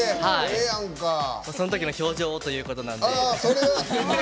そのときの表情をということなんで。